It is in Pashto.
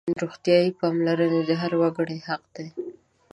روغتیايي پاملرنه د هر وګړي حق دی.